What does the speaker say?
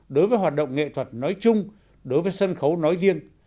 đối với hoạt động nghệ thuật nói chung đối với sân khấu nói riêng